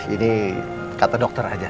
ini kata dokter aja